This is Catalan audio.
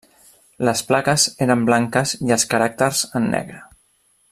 Les plaques eren blanques i els caràcters en negre.